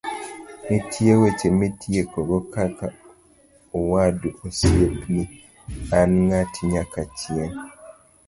nitie weche mang'eny mitiekogo kaka;'owadu, osiepni, an ng'ati manyakachieng'